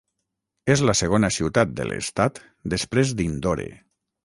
És la segona ciutat de l'estat després d'Indore.